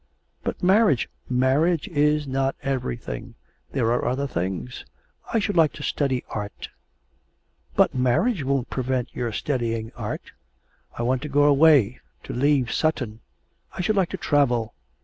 'But marriage ' 'Marriage is not everything. There are other things. I should like to study art.' 'But marriage won't prevent your studying art.' 'I want to go away, to leave Sutton. I should like to travel.'